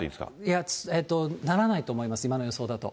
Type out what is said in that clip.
いや、ならないと思います、今の予想だと。